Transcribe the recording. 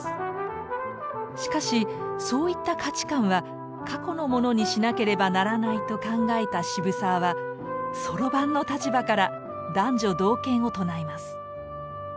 しかしそういった価値観は過去のものにしなければならないと考えた渋沢は「算盤」の立場から男女同権を唱えます。